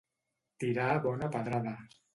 Tirar bona pedrada.